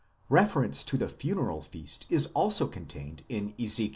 6. Refer ence to the funeral feast is also contained in Ezek.